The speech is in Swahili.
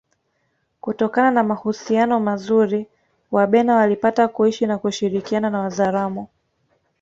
Kutokana na mahusiano mazuri Wabena walipata kuishi na kushirikiana na Wazaramo